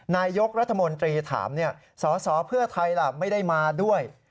นายกรัฐมนตรีถามสสเพื่อไทยล่ะไม่ได้มาด้วย